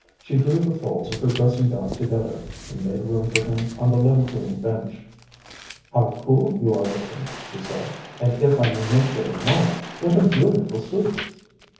She drew the folds of her dressing gown together, and made room for him on the little green bench. ŌĆ£How cool you are looking, ŌĆØ she said; ŌĆ£and if I may make the remarkŌĆöwhat a beautiful suit!